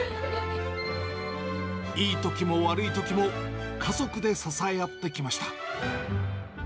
いいときも悪いときも、家族で支え合ってきました。